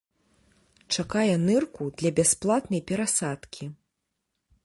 Чакае нырку для бясплатнай перасадкі.